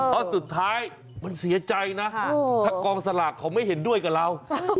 เพราะสุดท้ายมันเสียใจนะถ้ากองสลากเขาไม่เห็นด้วยกับเรา